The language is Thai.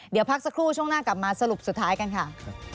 เดี๋ยวพักสักครู่ช่วงหน้ากลับมาสรุปสุดท้ายกันค่ะ